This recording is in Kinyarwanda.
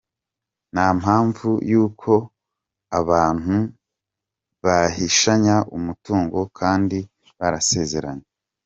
nta mpamvu y’uko abantu bahishanya umutungo kandi barasezeranye.